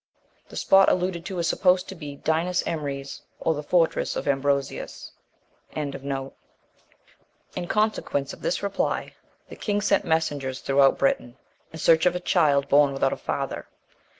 The spot alluded to is supposed to be Dinas Emrys, or the fortress of Ambrosius. 41. In consequence of this reply, the king sent messengers throughout Britain, in search of a child born without a father.